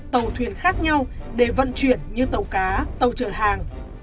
tàu thuyền khác nhau để vận chuyển như tàu cá tàu trợ hàng